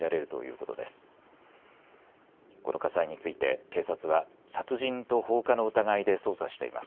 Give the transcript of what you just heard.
この火災について警察は殺人と放火の疑いで捜査しています。